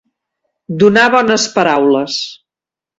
Donar bones paraules.